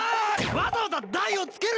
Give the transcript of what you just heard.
わざわざ大をつけるな！